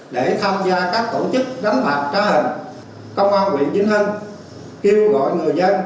để tham gia các tổ chức đánh mạc trá hình công an huyện vinh hưng kêu gọi người dân